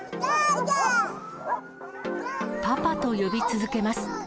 パパと呼び続けます。